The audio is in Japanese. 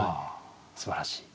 すばらしい。